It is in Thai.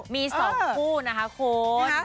มี๒คู่นะคะคุณ